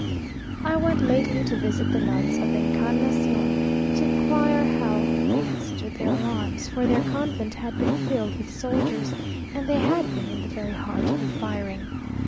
I went lately to visit the nuns of the Encarnación, to inquire how they stood their alarms, for their convent had been filled with soldiers, and they had been in the very heart of the firing.